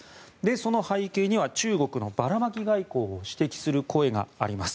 その背景には中国のばらまき外交を指摘する声があります。